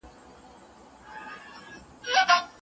په څېړنه کي باید هېڅکله احساساتي کلیمې ونه کارول سي.